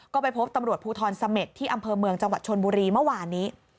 ก็ไปพบตำรวจภูทรเสม็ดที่อำเภอเมืองจังหวัดชนบุรีเมื่อวานนี้